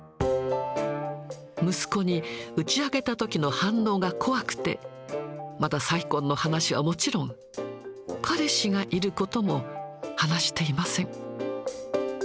息子に打ち明けたときの反応が怖くて、まだ再婚の話はもちろん、彼氏がいることも話していません。